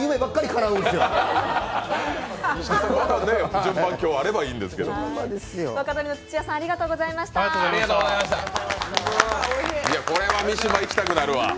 石田さんの順番もくればいいんですけどこれは三島行きたくなるわ。